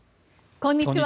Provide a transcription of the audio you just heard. こんにちは。